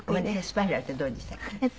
スパイラルってどういうのでしたっけ？